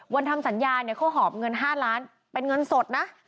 ทำสัญญาเนี่ยเขาหอบเงิน๕ล้านเป็นเงินสดนะ